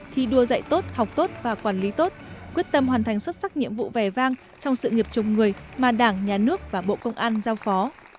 thi đua dạy tốt học tốt và quản lý tốt quyết tâm hoàn thành xuất sắc nhiệm vụ vẻ vang trong sự nghiệp chồng người mà đảng nhà nước và bộ công an giao phó